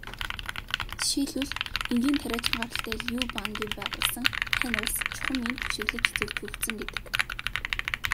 Жишээлбэл, энгийн тариачин гаралтай Лю Бангийн байгуулсан Хань улс чухам энд түшиглэж зөвтгөгдсөн гэдэг.